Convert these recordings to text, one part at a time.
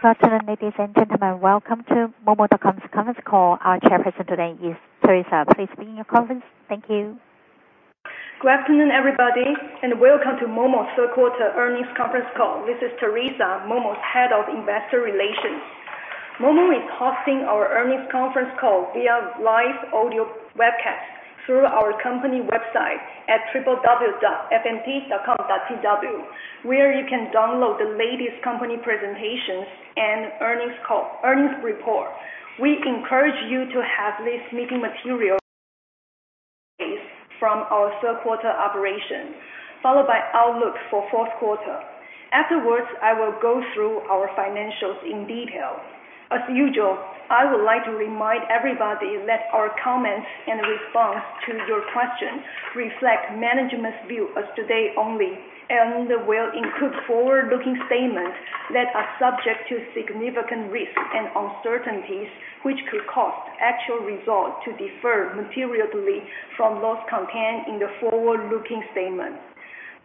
Good afternoon, ladies and gentlemen. Welcome to momo.com's conference call. Our chairperson today is Terrisa. Please begin your conference. Thank you. Good afternoon, everybody, and welcome to Momo's third quarter earnings conference call. This is Terrisa, Momo's Head of Investor Relations. Momo is hosting our earnings conference call via live audio webcast through our company website at www.momo.com.tw, where you can download the latest company presentations and earnings call, earnings report. We encourage you to have this meeting material from our third quarter operation, followed by outlook for fourth quarter. Afterwards, I will go through our financials in detail. As usual, I would like to remind everybody that our comments and response to your questions reflect management's view as of today only, and will include forward-looking statements that are subject to significant risks and uncertainties, which could cause actual results to differ materially from those contained in the forward-looking statements.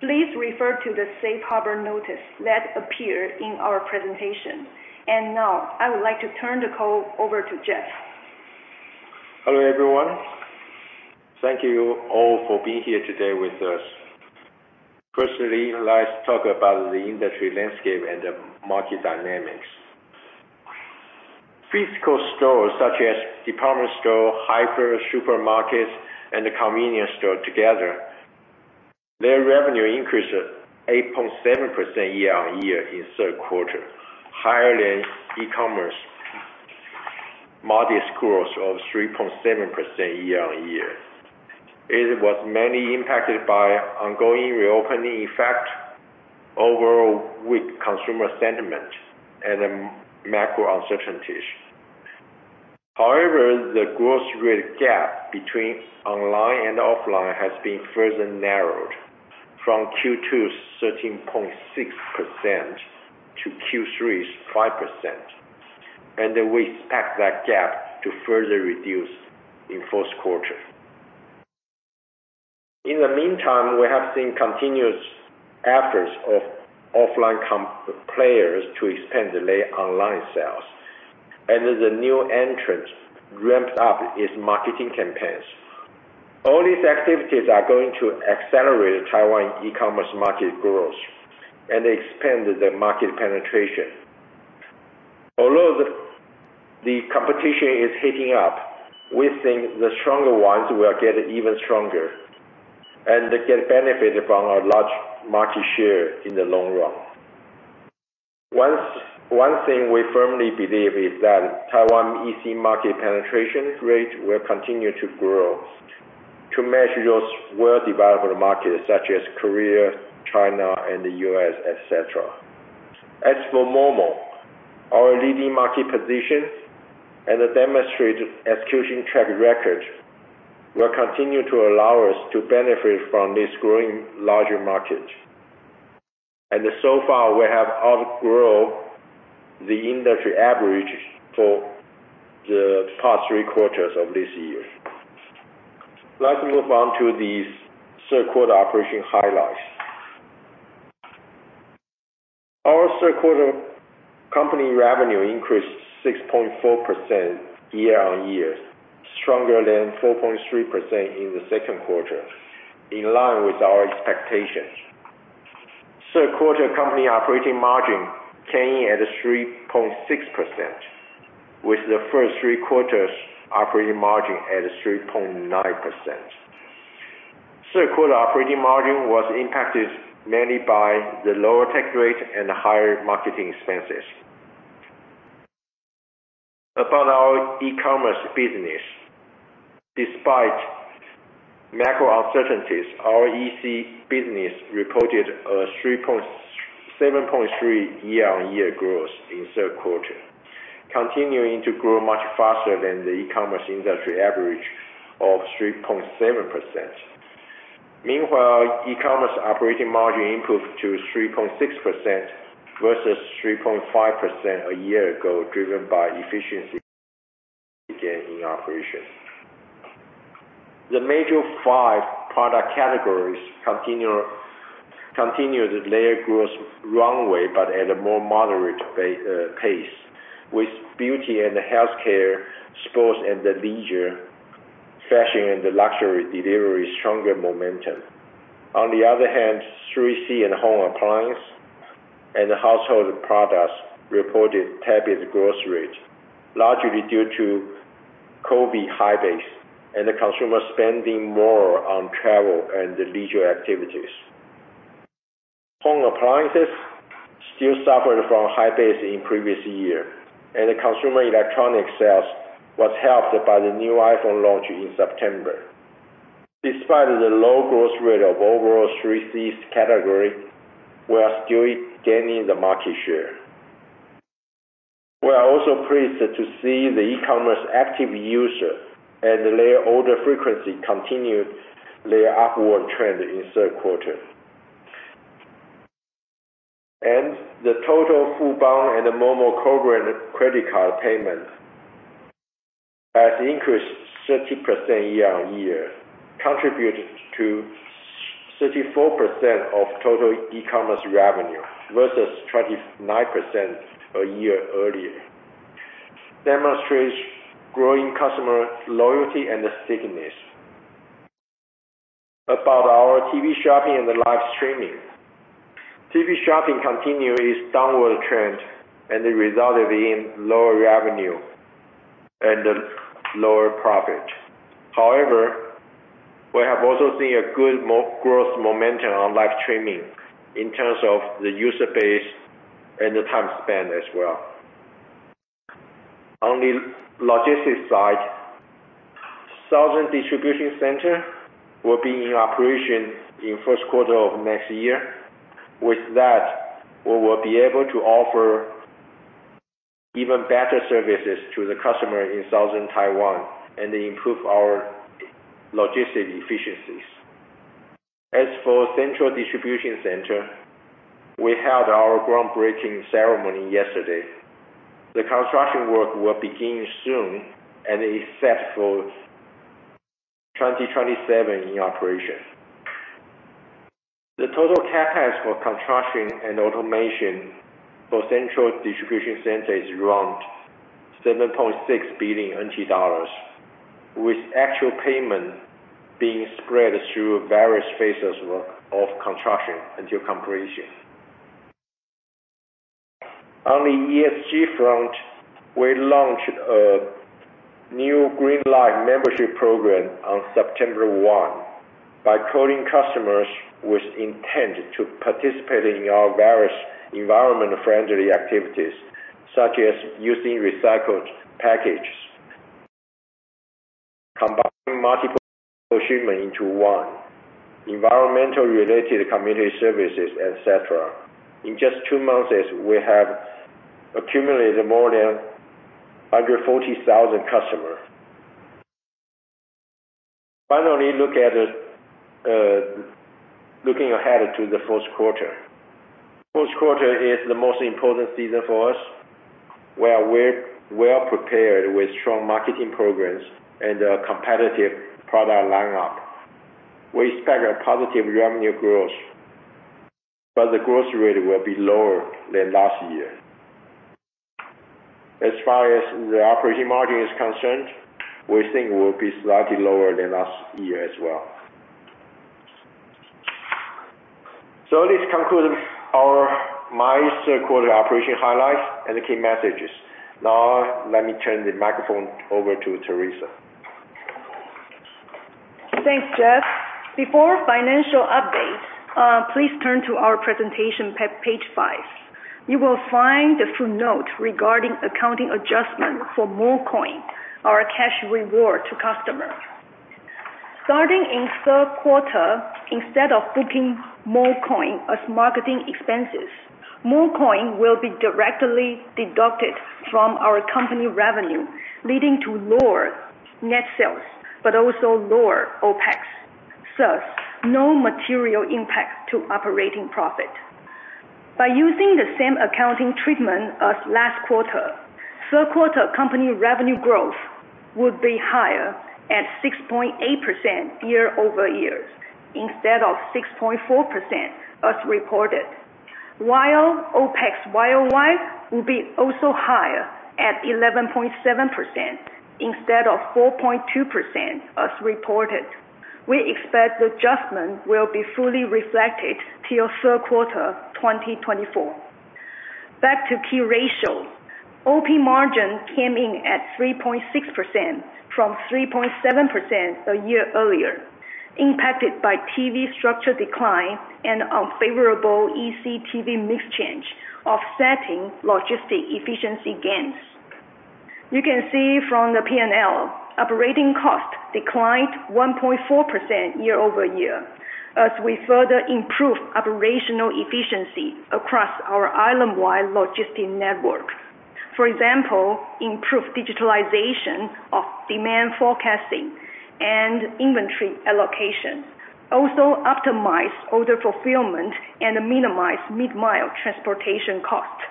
Please refer to the safe harbor notice that appears in our presentation. Now, I would like to turn the call over to Jeff. Hello, everyone. Thank you all for being here today with us. Firstly, let's talk about the industry landscape and the market dynamics. Physical stores such as department store, hyper supermarkets, and the convenience store together, their revenue increased 8.7% year-over-year in third quarter, higher than e-commerce, modest growth of 3.7% year-over-year. It was mainly impacted by ongoing reopening effect, overall weak consumer sentiment, and macro uncertainties. However, the growth rate gap between online and offline has been further narrowed from Q2's 13.6% to Q3's 5%, and then we expect that gap to further reduce in fourth quarter. In the meantime, we have seen continuous efforts of offline players to expand their online sales, and the new entrants ramped up its marketing campaigns. All these activities are going to accelerate Taiwan e-commerce market growth and expand the market penetration. Although the competition is heating up, we think the stronger ones will get even stronger and again, benefit from our large market share in the long run. One thing we firmly believe is that Taiwan EC market penetration rate will continue to grow to measure those well-developed markets such as Korea, China, and the U.S., et cetera. As for momo, our leading market position and the demonstrated execution track record will continue to allow us to benefit from this growing larger market. And so far, we have outgrow the industry average for the past three quarters of this year. Let's move on to these third quarter operation highlights. Our third quarter company revenue increased 6.4% year-on-year, stronger than 4.3% in the second quarter, in line with our expectations. Third quarter company operating margin came in at 3.6%, with the first three quarters operating margin at 3.9%. Third quarter operating margin was impacted mainly by the lower tax rate and higher marketing expenses. About our e-commerce business, despite macro uncertainties, our EC business reported a 3.7 year-on-year growth in third quarter, continuing to grow much faster than the e-commerce industry average of 3.7%. Meanwhile, e-commerce operating margin improved to 3.6% versus 3.5% a year ago, driven by efficiency gain in operations. The major five product categories continued their growth runway, but at a more moderate pace, with beauty and healthcare, sports and leisure, fashion and luxury delivering stronger momentum. On the other hand, 3C and home appliance and household products reported tepid growth rates, largely due to COVID high base and the consumer spending more on travel and leisure activities. Home appliances still suffered from high base in previous year, and the consumer electronic sales was helped by the new iPhone launch in September. Despite the low growth rate of overall 3C's category, we are still gaining the market share. We are also pleased to see the e-commerce active user and their order frequency continued their upward trend in third quarter. The total Fubon and the momo co-branded credit card payments has increased 30% year-on-year, contributing to 34% of total e-commerce revenue versus 29% a year earlier. Demonstrates growing customer loyalty and stickiness. About our TV shopping and the live streaming. TV shopping continues its downward trend and it resulted in lower revenue and lower profit. However, we have also seen a good growth momentum on live streaming in terms of the user base and the time spent as well. On the logistics side, southern distribution center will be in operation in first quarter of next year. With that, we will be able to offer even better services to the customer in southern Taiwan and improve our logistic efficiencies. As for central distribution center, we held our groundbreaking ceremony yesterday. The construction work will begin soon and is set for 2027 in operation. The total CapEx for construction and automation for central distribution center is around NT$ 7.6 billion, with actual payment being spread through various phases of construction until completion. On the ESG front, we launched a new Green Life membership program on September one, by calling customers with intent to participate in our various environment-friendly activities, such as using recycled packages, combining multiple shipment into one, environmental-related community services, et cetera. In just two months, we have accumulated more than under 40,000 customers. Finally, looking ahead to the fourth quarter. Fourth quarter is the most important season for us. We are well prepared with strong marketing programs and a competitive product lineup. We expect a positive revenue growth, but the growth rate will be lower than last year. As far as the operating margin is concerned, we think it will be slightly lower than last year as well. So this concludes our, my third quarter operation highlights and the key messages. Now, let me turn the microphone over to Terrisa. Thanks, Jeff. Before financial update, please turn to our presentation page 5. You will find the full note regarding accounting adjustment for mo coin, our cash reward to customer. Starting in third quarter, instead of booking mo coin as marketing expenses, mo coin will be directly deducted from our company revenue, leading to lower net sales but also lower OpEx, thus no material impact to operating profit. By using the same accounting treatment as last quarter, third quarter company revenue growth would be higher at 6.8% year-over-year, instead of 6.4% as reported. While OpEx year-over-year will be also higher at 11.7%, instead of 4.2% as reported. We expect the adjustment will be fully reflected till third quarter 2024. Back to key ratios. OP margin came in at 3.6% from 3.7% a year earlier, impacted by TV structure decline and unfavorable EC TV mix change, offsetting logistic efficiency gains. You can see from the P&L, operating costs declined 1.4% year-over-year, as we further improve operational efficiency across our island-wide logistics network. For example, improved digitalization of demand forecasting and inventory allocation, also optimize order fulfillment and minimize mid-mile transportation costs.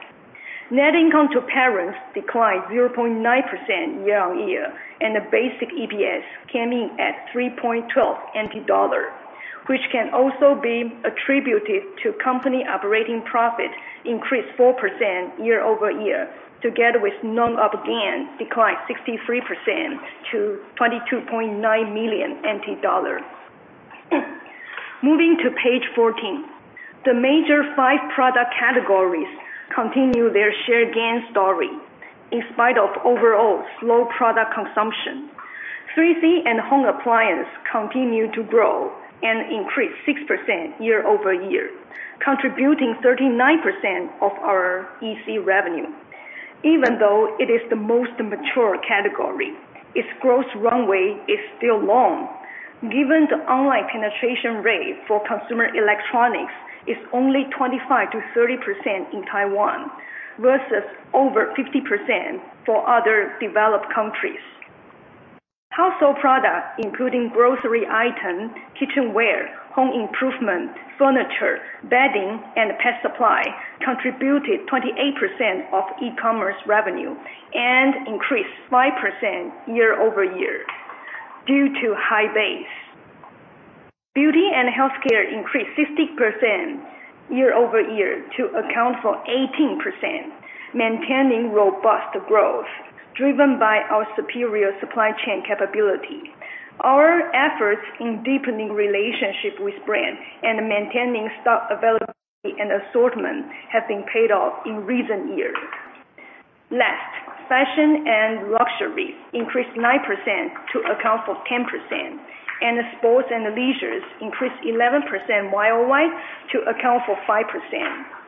Net income to parents declined 0.9% year-over-year, and the basic EPS came in at 3.12 NT$, which can also be attributed to company operating profit increased 4% year-over-year, together with non-op gain, declined 63% to 22.9 million NT$. Moving to page 14, the major five product categories continue their share gain story in spite of overall slow product consumption. 3C and home appliance continue to grow and increase 6% year-over-year, contributing 39% of our EC revenue. Even though it is the most mature category, its growth runway is still long, given the online penetration rate for consumer electronics is only 25%-30% in Taiwan, versus over 50% for other developed countries. Household products, including grocery items, kitchenware, home improvement, furniture, bedding, and pet supply, contributed 28% of e-commerce revenue and increased 5% year-over-year due to high base. Beauty and healthcare increased 50% year-over-year to account for 18%, maintaining robust growth, driven by our superior supply chain capability. Our efforts in deepening relationship with brand and maintaining stock availability and assortment have been paid off in recent years. Last, fashion and luxury increased 9% to account for 10%, and the sports and leisures increased 11% YOY to account for 5%.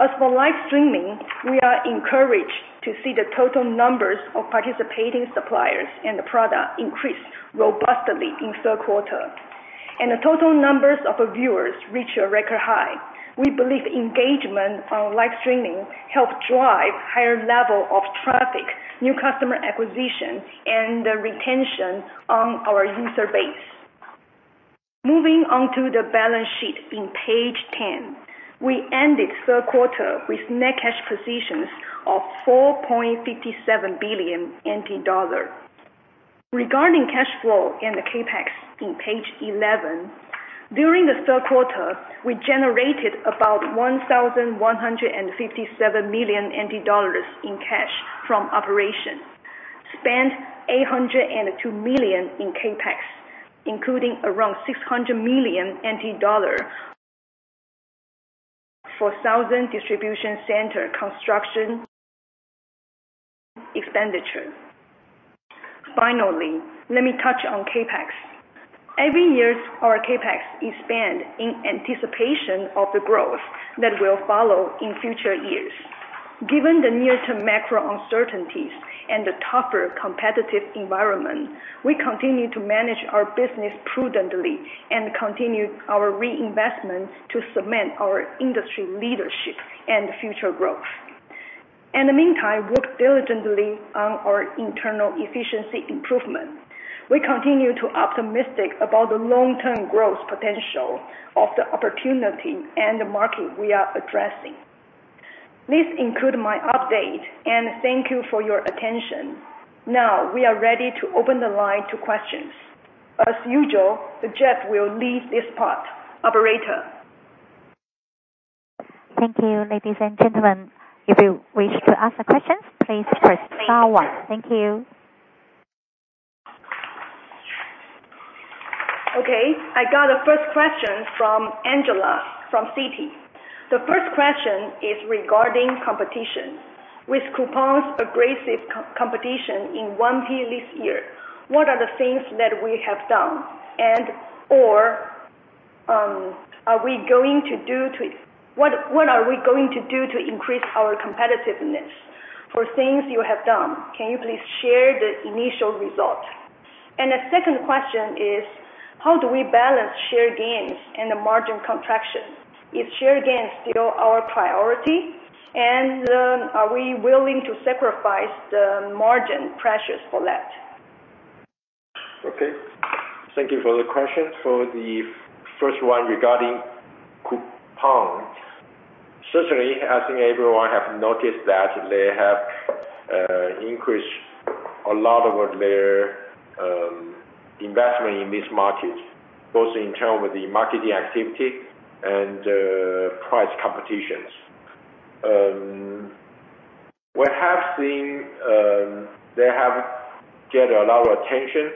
As for live streaming, we are encouraged to see the total numbers of participating suppliers and the product increase robustly in third quarter, and the total numbers of viewers reach a record high. We believe engagement on live streaming help drive higher level of traffic, new customer acquisition, and the retention on our user base. Moving on to the balance sheet on page 10. We ended third quarter with net cash positions of NT$4.57 billion. Regarding cash flow and the CapEx on page 11, during the third quarter, we generated about NT$ 1,157 million in cash from operations, spent NT$ 802 million in CapEx, including around NT$ 600 million for southern distribution center construction expenditure. Finally, let me touch on CapEx. Every year, our CapEx is spent in anticipation of the growth that will follow in future years. Given the near-term macro uncertainties and the tougher competitive environment, we continue to manage our business prudently and continue our reinvestments to cement our industry leadership and future growth. In the meantime, work diligently on our internal efficiency improvement. We continue to optimistic about the long-term growth potential of the opportunity and the market we are addressing. This conclude my update, and thank you for your attention. Now, we are ready to open the line to questions. As usual, Jeff will lead this part. Operator? Thank you, ladies and gentlemen. If you wish to ask a question, please press star one. Thank you. Okay, I got a first question from Angela, from Citi. The first question is regarding competition. With Coupang's aggressive competition in 1P this year, what are the things that we have done and or are we going to do to what are we going to do to increase our competitiveness? For things you have done, can you please share the initial results? And the second question is: How do we balance share gains and the margin contraction? Is share gains still our priority, and are we willing to sacrifice the margin pressures for that? Okay, thank you for the question. For the first one, regarding Coupang, certainly, I think everyone have noticed that they have increased a lot of their investment in this market, both in term of the marketing activity and price competitions. We have seen they have get a lot of attention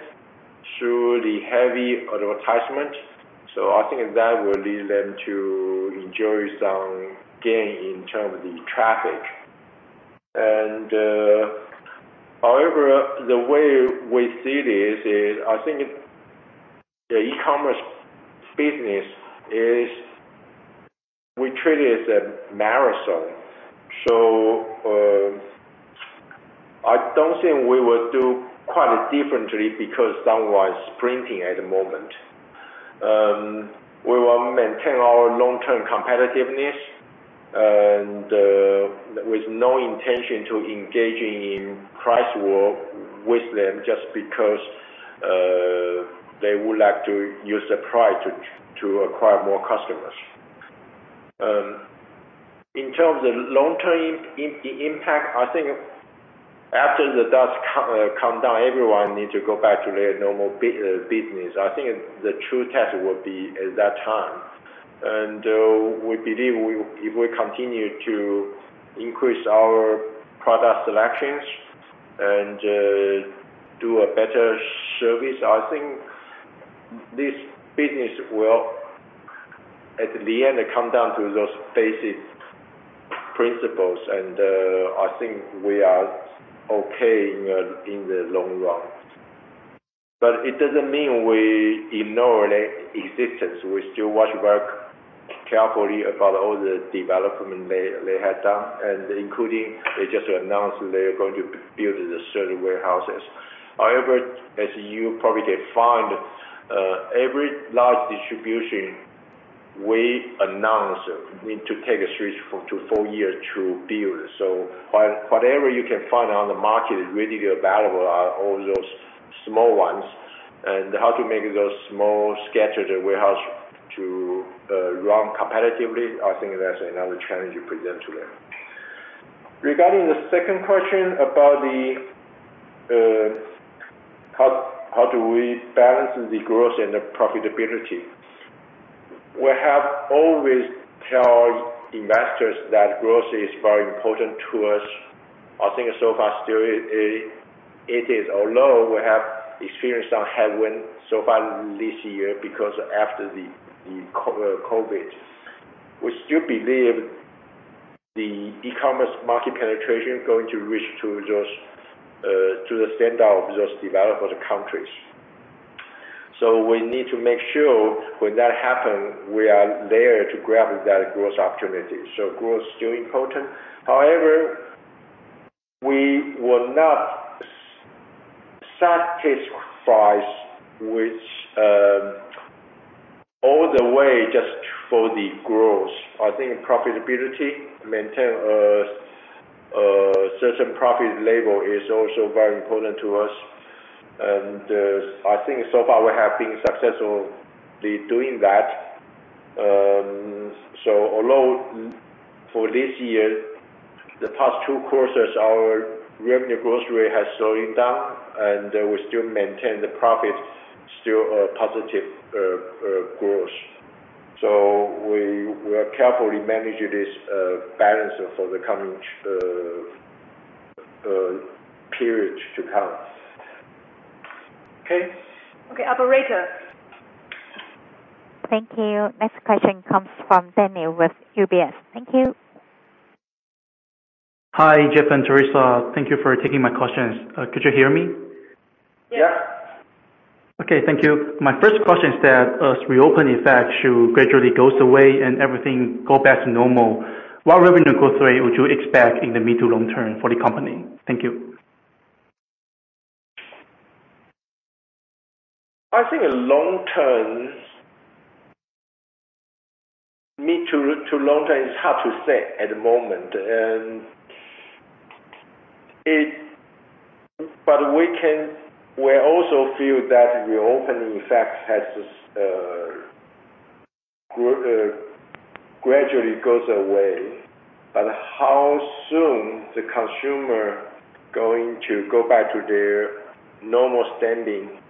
through the heavy advertisement, so I think that will lead them to enjoy some gain in terms of the traffic. And however, the way we see this is, I think the e-commerce business is, we treat it as a marathon. So I don't think we will do quite differently because someone is sprinting at the moment. We will maintain our long-term competitiveness and with no intention to engaging in price war with them just because they would like to use the price to acquire more customers. In terms of long-term impact, I think after the dust comes down, everyone needs to go back to their normal business. I think the true test will be at that time. We believe, if we continue to increase our product selections and do a better service, I think this business will, at the end, come down to those basic principles, and I think we are okay in the long run. But it doesn't mean we ignore their existence. We still watch back carefully about all the development they have done, and including they just announced they are going to build the certain warehouses. However, as you probably find, every large distribution we announce we need to take a 3-4 years to build. So, whatever you can find on the market is readily available; they are all those small ones, and how to make those small scattered warehouses to run competitively, I think that's another challenge we present today. Regarding the second question about the how do we balance the growth and the profitability? We have always tell investors that growth is very important to us. I think so far still it is, although we have experienced some headwind so far this year, because after the COVID, we still believe the e-commerce market penetration going to reach to those to the standard of those developed countries. So we need to make sure when that happen, we are there to grab that growth opportunity. So growth is still important. However, we will not sacrifice with all the way just for the growth. I think profitability, maintaining a certain profit level is also very important to us. I think so far we have been successfully doing that. So although for this year, the past two quarters, our revenue growth has slowing down, and we still maintain the profit still a positive growth. So we are carefully managing this balance for the coming period to come. Okay? Okay, operator. Thank you. Next question comes from Daniel with UBS. Thank you. Hi, Jeff and Terrisa. Thank you for taking my questions. Could you hear me? Yeah. Yeah. Okay. Thank you. My first question is that, as reopen effect gradually goes away and everything go back to normal, what revenue growth rate would you expect in the mid to long term for the company? Thank you. I think the long term. Mid to long term, it's hard to say at the moment. We also feel that reopening effect has gradually goes away. But how soon the consumer going to go back to their normal standing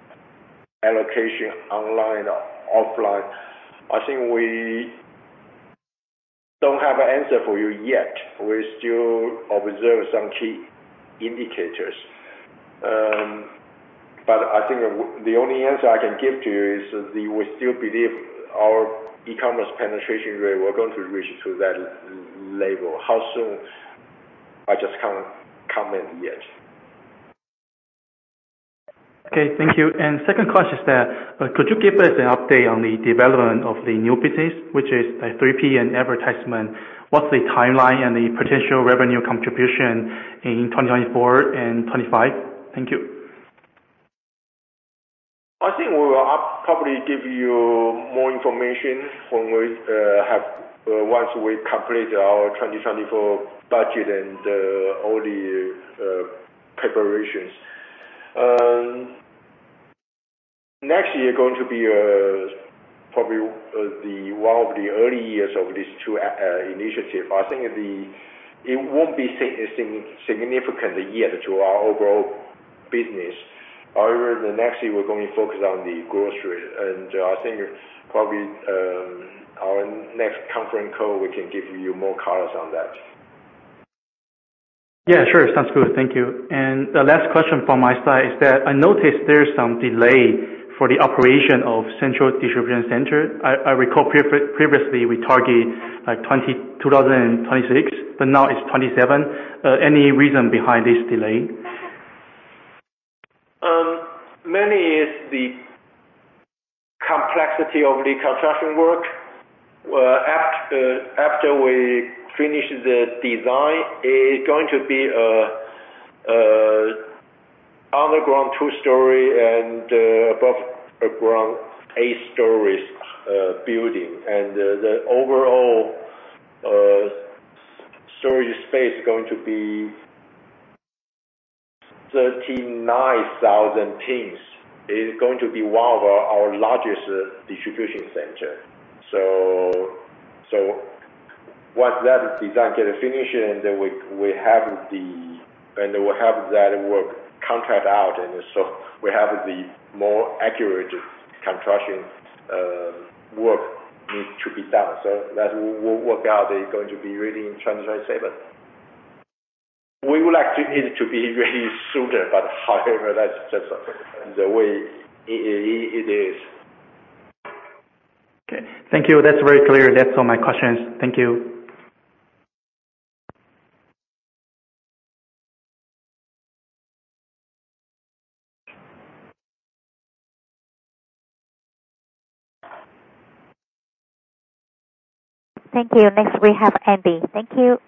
allocation online or offline? I think we don't have an answer for you yet. We still observe some key indicators. But I think the only answer I can give to you is that we still believe our e-commerce penetration rate, we're going to reach to that level. How soon? I just can't comment yet. Okay, thank you. And second question is that, could you give us an update on the development of the new business, which is the 3PM advertisement? What's the timeline and the potential revenue contribution in 2024 and 2025? Thank you. I think we will probably give you more information when we have, once we complete our 2024 budget and, all the, preparations. Next year is going to be, probably, the, one of the early years of these two, initiative. I think the, it won't be significant year to our overall business. However, the next year, we're going to be focused on the grocery, and I think probably, our next conference call, we can give you more colors on that. Yeah, sure. Sounds good. Thank you. And the last question from my side is that I noticed there's some delay for the operation of central distribution center. I recall previously we target like, 2026, but now it's 2027. Any reason behind this delay? Mainly is the complexity of the construction work. After we finish the design, it's going to be a underground two-story and above ground, eight stories building. And the overall storage space is going to be 39,000 pings. It is going to be one of our largest distribution center. So once that design get finished, and then we have the... And we have that work contract out, and so we have the more accurate construction work need to be done. So that work out is going to be ready in 2027. We would like it to be ready sooner, but however, that's just the way it is. Okay. Thank you. That's very clear. That's all my questions. Thank you. Thank you. Next, we have Andy. Thank you.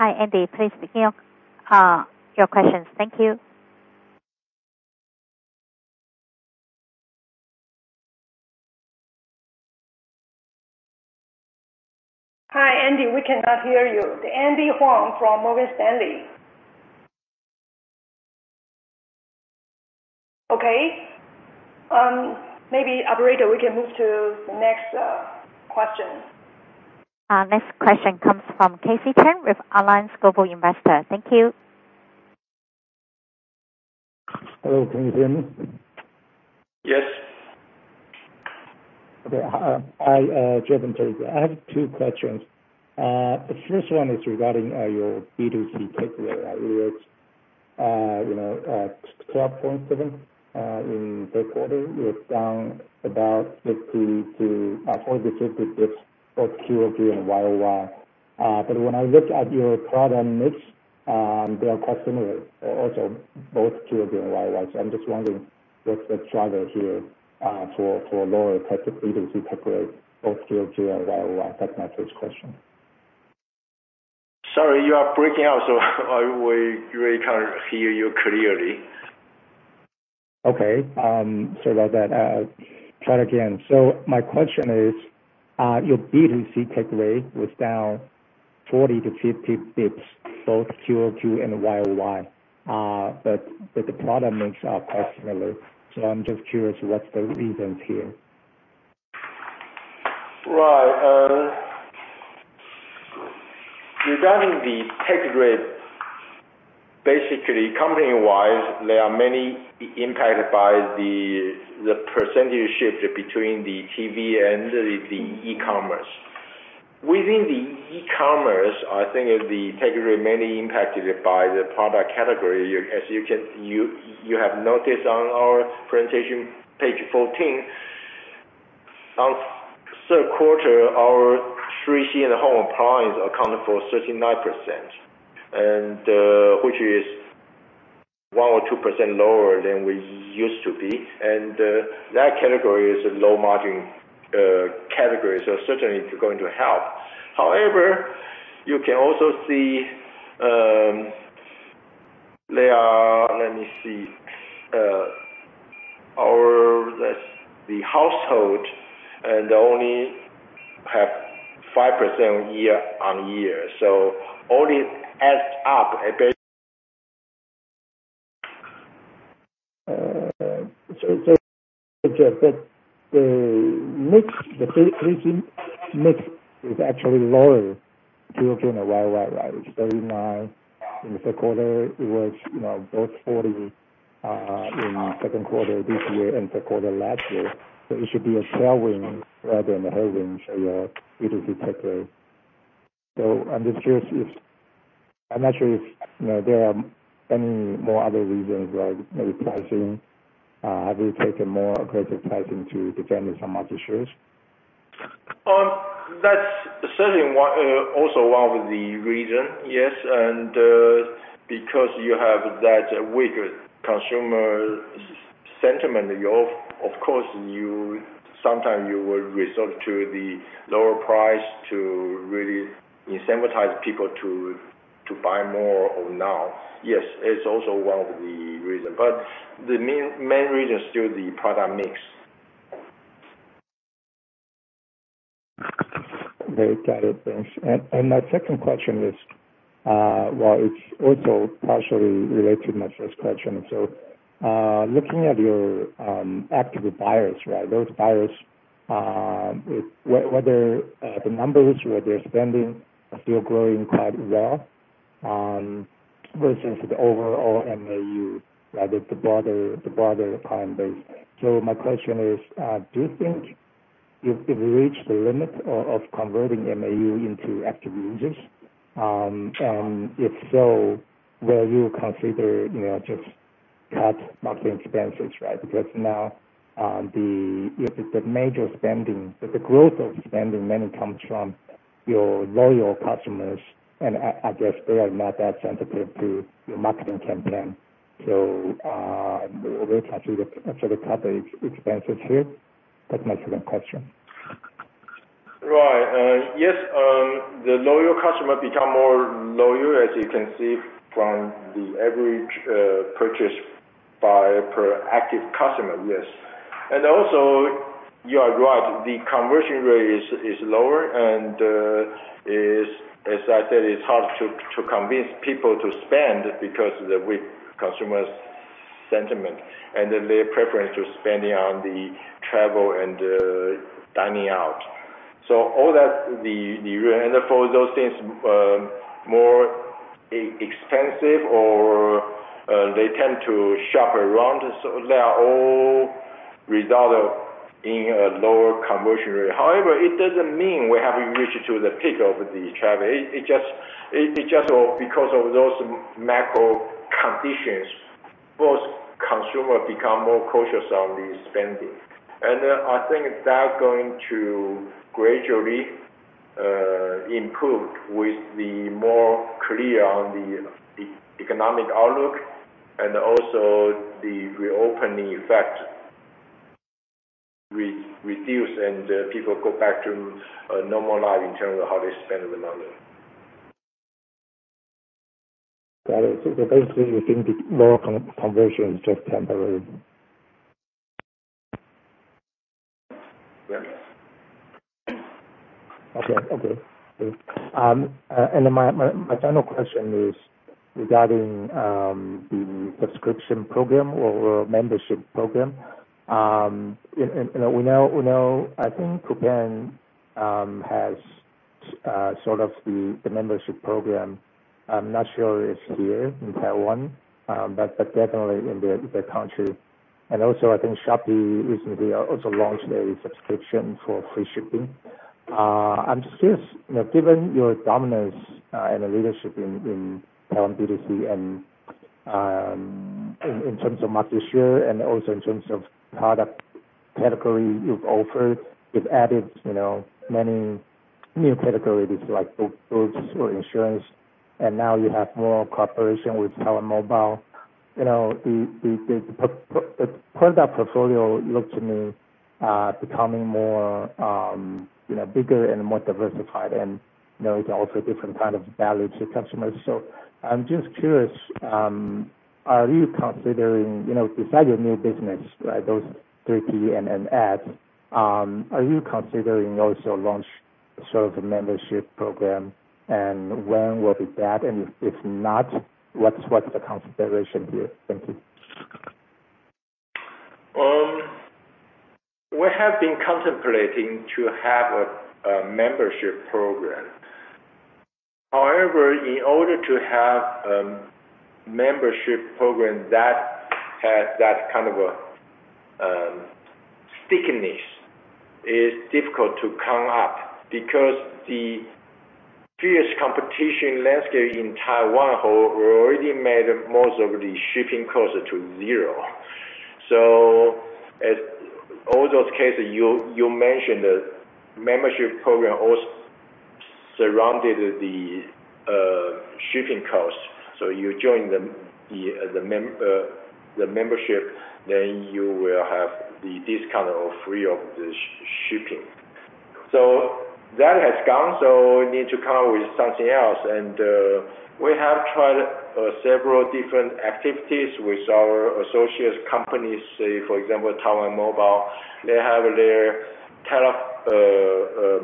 Hi, Andy, please begin your questions. Thank you. Hi, Andy, we cannot hear you. Andy Huang from Morgan Stanley. Okay. Maybe operator, we can move to the next question. Next question comes from Jason Chan with Allianz Global Investors. Thank you. Hello, can you hear me? Yes. Okay. Hi, Justin Chan. I have two questions. The first one is regarding your B2C take rate. It's, you know, 12.7 in third quarter, it's down about 40-50 both QoQ and YoY. But when I look at your product mix, they are quite similar, also both QoQ and YoY. So I'm just wondering, what's the driver here for lower type of B2C take rate, both QoQ and YoY? That's my first question. Sorry, you are breaking out, so I really can't hear you clearly. Okay. Sorry about that. Try again. So my question is, your B2C takeaway was down 40-50 basis points, both QoQ and YoY. But the product mix are quite similar, so I'm just curious, what's the reasons here? Right. Regarding the take rate, basically, company-wise, there are many impacted by the percentage shift between the TV and the e-commerce. Within the e-commerce, I think the take rate mainly impacted by the product category. As you can, you have noticed on our presentation, page 14, on third quarter, our 3C and home appliance accounted for 39%, and which is 1%-2% lower than we used to be. And that category is a low margin category, so certainly it's going to help. However, you can also see, there are our the household they only have 5% year-on-year. So all this adds up, it- So, but the mix, the region mix is actually lower QoQ and YoY, right? It's 39 in the third quarter. It was, you know, both 40 in second quarter this year and third quarter last year. So it should be a tailwind rather than a headwind for your B2C takeaway. So I'm just curious if, I'm not sure if, you know, there are any more other reasons, like maybe pricing. Have you taken more aggressive pricing to defend some market shares? That's certainly one, also one of the reason, yes. And because you have that weaker consumer sentiment, of course, you sometimes will resort to the lower price to really incentivize people to buy more now. Yes, it's also one of the reason, but the main, main reason is still the product mix. Very clear, thanks. And my second question is, well, it's also partially related to my first question. So, looking at your active buyers, right? Those buyers, whether the numbers or their spending are still growing quite well, versus the overall MAU, right? The broader client base. So my question is, do you think you've reached the limit of converting MAU into active users? And if so, will you consider, you know, just cut marketing expenses, right? Because now, the major spending, the growth of spending mainly comes from your loyal customers, and I guess they are not that sensitive to your marketing campaign. So, will consider to cut the expenses here? That's my second question. Right. Yes, the loyal customer become more loyal, as you can see from the average purchase by per active customer. Yes. And also, you are right, the conversion rate is lower, and, as I said, it's hard to convince people to spend because of the weak consumer sentiment and their preference to spending on the travel and dining out. So all that, the and for those things, more expensive or they tend to shop around, so they are all result of in a lower conversion rate. However, it doesn't mean we have reached to the peak of the travel. It just go because of those macro conditions, most consumer become more cautious on the spending. I think that going to gradually improve with the more clear on the economic outlook and also the reopening effect reduce and people go back to normal life in terms of how they spend the money. Got it. So, basically you think the Momo conversion is just temporary? Yes. Okay. And then my final question is regarding the subscription program or membership program. And, you know, we know, I think Coupang has sort of the membership program. I'm not sure it's here in Taiwan, but definitely in the country. And also, I think Shopee recently also launched a subscription for free shipping. I'm just curious, you know, given your dominance and the leadership in Taiwan B2C and in terms of market share and also in terms of product category you've offered, you've added, you know, many new categories like books or insurance, and now you have more cooperation with Taiwan Mobile. You know, the product portfolio look to me becoming more, you know, bigger and more diversified and, you know, it's also different kind of value to customers. So I'm just curious, are you considering, you know, besides your new business, right, those 3P and Ads, are you considering also launch sort of a membership program, and when will be that? And if not, what's the consideration here? Thank you. We have been contemplating to have a membership program. However, in order to have membership program that has that kind of a stickiness, is difficult to come up. Because the fierce competition landscape in Taiwan already made most of the shipping costs to zero. So as all those cases, you mentioned, the membership program also surrounded the shipping cost. So you join the membership, then you will have the discount or free of the shipping. So that has gone, so we need to come up with something else. And we have tried several different activities with our associates companies, say for example, Taiwan Mobile. They have their telephone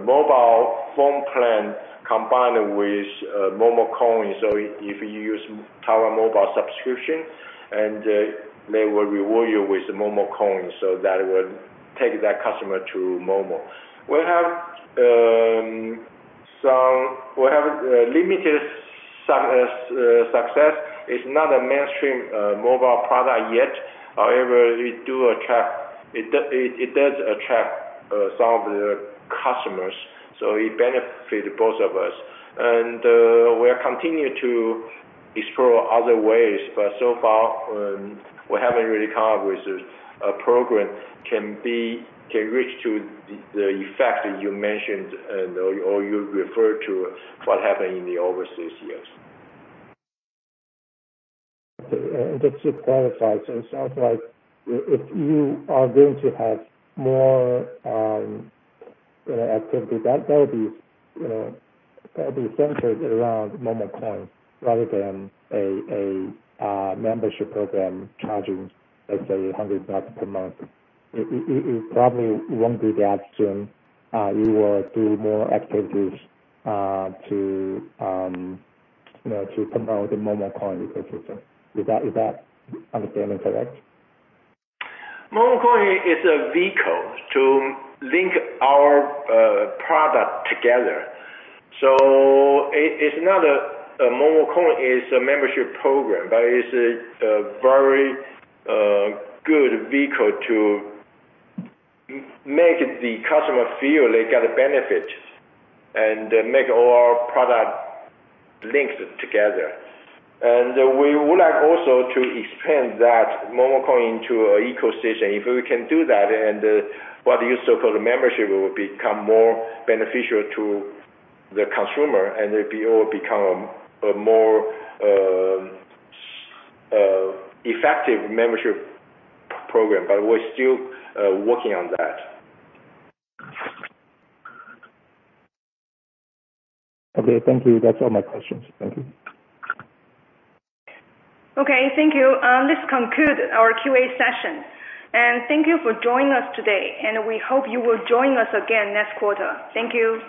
mobile phone plan combined with mo coins. So if you use Taiwan Mobile subscription and, they will reward you with mo coins, so that will take that customer to Momo. We have limited success. It's not a mainstream mobile product yet. However, it does attract some of the customers, so it benefit both of us. And, we're continuing to explore other ways, but so far, we haven't really come up with a program can be, can reach to the effect that you mentioned and, or you referred to what happened in the overseas years. Okay. And just to clarify, so it sounds like if you are going to have more, you know, activity, that that would be, you know, that'd be centered around mo coins rather than a membership program charging, let's say, $100 per month. It probably won't be that soon. You will do more activities to, you know, to promote the mo coin ecosystem. Is that understanding correct? mo coin is a vehicle to link our product together. So it's not a mo coin is a membership program, but it's a very good vehicle to make the customer feel they get a benefit, and make all our product linked together. And we would like also to expand that mo coin into a ecosystem. If we can do that, and what you so call the membership will become more beneficial to the consumer, and it will become a more effective membership program. But we're still working on that. Okay, thank you. That's all my questions. Thank you. Okay, thank you. This conclude our QA session, and thank you for joining us today, and we hope you will join us again next quarter. Thank you.